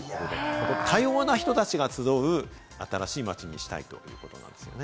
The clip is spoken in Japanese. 多様な人たちが集う新しい街にしたいということなんですね。